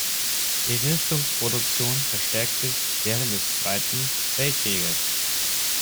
Die Rüstungsproduktion verstärkte sich während des Zweiten Weltkrieges.